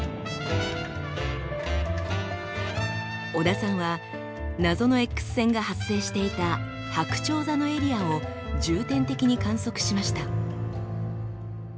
小田さんは謎のＸ線が発生していたはくちょう座のエリアを重点的に観測しました。